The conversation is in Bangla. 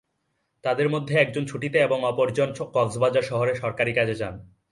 তাঁদের মধ্যে একজন ছুটিতে এবং অপরজন কক্সবাজার শহরে সরকারি কাজে যান।